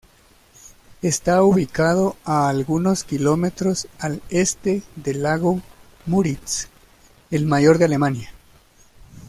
Está ubicado a algunos kilómetros al este del lago Müritz, el mayor de Alemania.